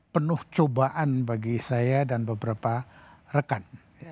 penuh cobaan bagi saya dan beberapa rekan